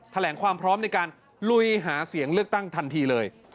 แถลงความพร้อมในการลุยหาเสียงเลือกตั้งทันทีเลย